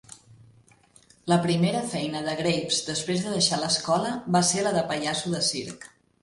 La primera feina de Graves després de deixar l'escola va ser la de pallasso de circ.